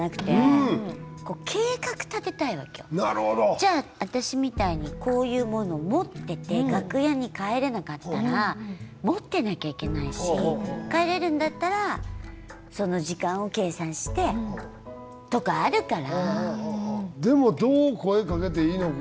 じゃあ私みたいにこういうものを持ってて楽屋に帰れなかったら持ってなきゃいけないし帰れるんだったらその時間を計算してとかあるから。